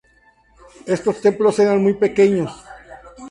Estos templos eran muy pequeños.